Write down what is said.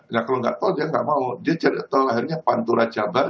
nah kalau nggak tol dia nggak mau dia cerita tol lahirnya pantura jabar